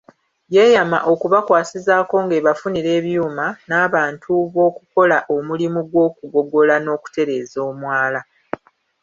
Yeeyama okubakwasizaako ng’ebafunira ebyuma n’abantu b’okukola omulimu gw’okugogola n’okutereeza omwala.